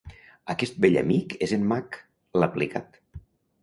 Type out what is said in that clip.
Aquest vell amic és en Mac, l'aplicat.